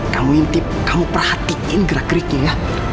kamu ngintip kamu perhatiin gerak geriknya ya